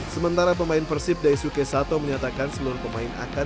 sementara pemain persib daisuke sato menyatakan seluruh pemain akan